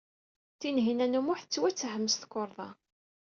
Tinhinan u Muḥ tettwatthem s tukerḍa.